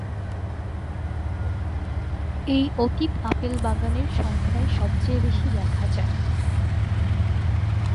এই অতীত আপেল বাগানের সংখ্যায় সবচেয়ে বেশি দেখা যায়।